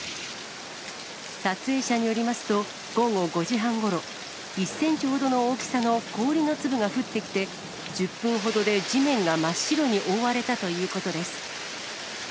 撮影者によりますと、午後５時半ごろ、１センチほどの大きさの氷の粒が降ってきて、１０分ほどで地面が真っ白に覆われたということです。